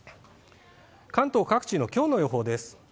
関東各地のきょうの予報です。